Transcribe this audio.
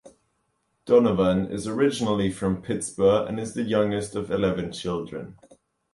Donovan is originally from Pittsburgh and is the youngest of eleven children.